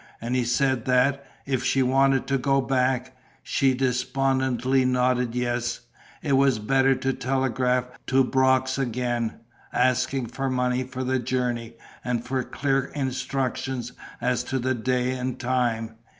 And he said that, if she wanted to go back she despondently nodded yes it was better to telegraph to Brox again, asking for money for the journey and for clear instructions as to the day and time.